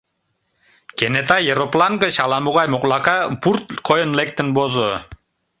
Кенета ероплан гыч ала-могай моклака, вурт койын, лектын возо.